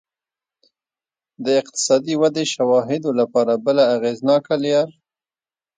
د اقتصادي ودې شواهدو لپاره بله اغېزناکه لار